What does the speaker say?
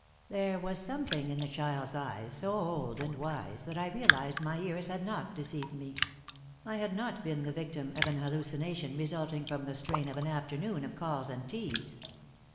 There was something in the child's eyes so old and wise that I realized my ears had not deceived me I had not been the victim of an hallucination resulting from the strain of an afternoon of calls and teas.